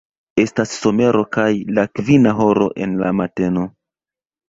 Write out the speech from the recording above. Estas somero kaj la kvina horo en la mateno.